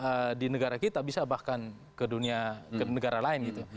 itu efeknya bukan cuma di negara kita bisa bahkan ke dunia ke negara lain gitu